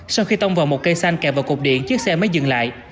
sau khi tông vào một cây xanh kẹp vào cục điện chiếc xe mới dừng lại